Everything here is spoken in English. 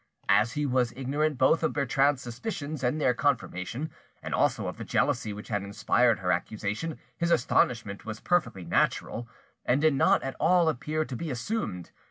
As he was ignorant both of Bertrande's suspicions and their confirmation, and also of the jealousy which had inspired her accusation, his astonishment was perfectly natural, and did not at all appear to be assumed.